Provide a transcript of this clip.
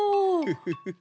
フフフフ。